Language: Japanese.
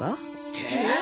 って？